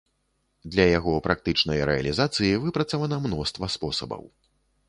Для яго практычнай рэалізацыі выпрацавана мноства спосабаў.